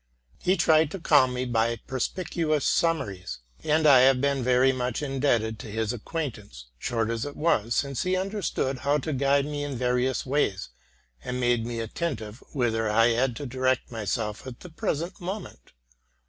He tried to calm me by perspicuous summaries ; and I have been very much indebted to his ac quaintance, short as it was, since he understood how to guide me in various ways, and made me attentive whither I had to direct myself at the present moment.